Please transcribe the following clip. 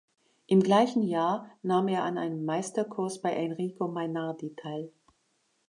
Im gleichen Jahr nahm er an einem Meisterkurs bei Enrico Mainardi teil.